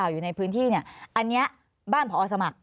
อันนี้บ้านพออสมัคร